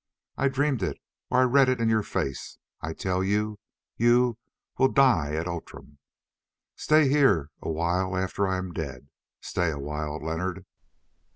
I dreamed it, or I read it in your face. I tell you—you will die at Outram. Stay here a while after I am dead. Stay a while, Leonard!"